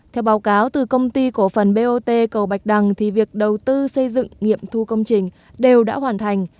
theo báo cáo từ công ty cổ phần bot cầu bạch đăng thì việc đầu tư xây dựng nghiệm thu công trình đều đã hoàn thành